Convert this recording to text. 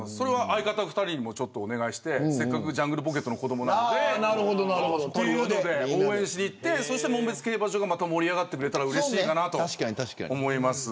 相方２人にもお願いしてせっかくジャングルポケットの子どもなので応援しに行って門別競馬場が盛り上がってくれたらうれしいかなって思います。